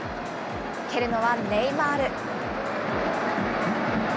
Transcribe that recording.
蹴るのはネイマール。